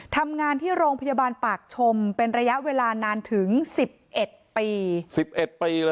ทำงานที่โรงพยาบาลปากชมเป็นระยะเวลานานถึง๑๑ปี๑๑ปีเลย